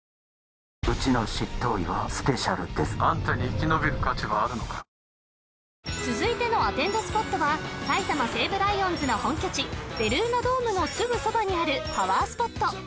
見てください続いてのアテンドスポットは埼玉西武ライオンズの本拠地ベルーナドームのすぐそばにあるパワースポット